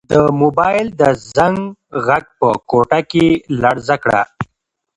د موبایل د زنګ غږ په کوټه کې لړزه کړه.